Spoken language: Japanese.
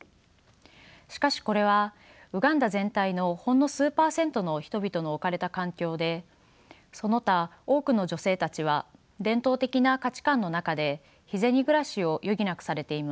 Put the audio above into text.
しかしこれはウガンダ全体のほんの数％の人々の置かれた環境でその他多くの女性たちは伝統的な価値観の中で日銭暮らしを余儀なくされています。